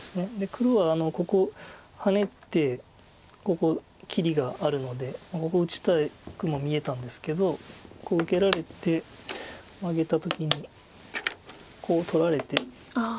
黒はここハネてここ切りがあるのでここ打ちたくも見えたんですけどこう受けられてマゲた時にコウを取られて。